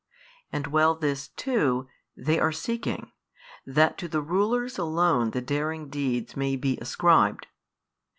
and well this too They are seeking, that to the rulers alone the daring deeds may be ascribed.